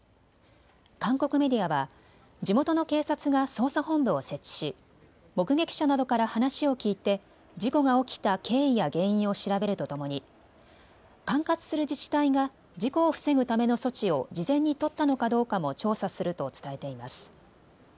韓国メディアは地元の警察が捜査本部を設置し目撃者などから話を聞いて事故が起きた経緯や原因を調べるとともに管轄する自治体が事故を防ぐための措置を事前に取ったのかどうかも調査すると伝えています。